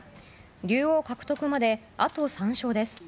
竜王獲得まで、あと３勝です。